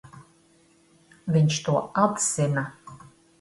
Viņš to atzina.